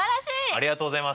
ありがとうございます。